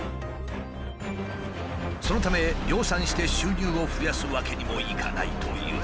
そのため量産して収入を増やすわけにもいかないという。